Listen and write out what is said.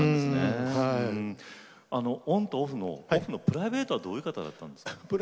オンとオフのプライベートはどういう方だったんですか？